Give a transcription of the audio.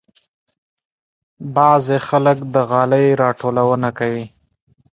بعضې خلک د غالۍ راټولونه کوي.